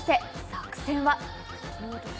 作戦は？